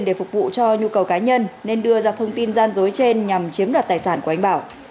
để phục vụ cho nhu cầu cá nhân nên đưa ra thông tin gian dối trên nhằm chiếm đoạt tài sản của anh bảo